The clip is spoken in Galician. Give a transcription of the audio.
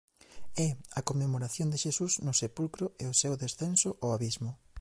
É a conmemoración de Xesús no sepulcro e o seu Descenso ao Abismo.